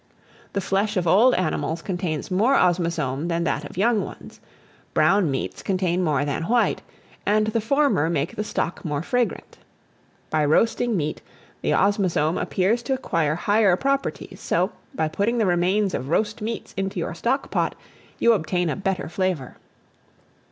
The flesh of old animals contains more osmazome than that of young ones. Brown meats contain more than white, and the former make the stock more fragrant. By roasting meat, the osmazome appears to acquire higher properties; so, by putting the remains of roast meats into your stock pot, you obtain a better flavour.